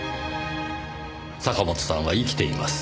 坂本さんは生きています。